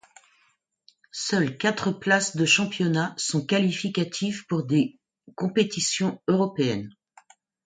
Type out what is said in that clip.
Seules quatre places de championnat sont qualificatives pour les compétitions européennes.